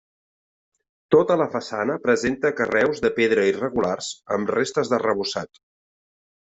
Tota la façana presenta carreus de pedra irregulars amb restes d'arrebossat.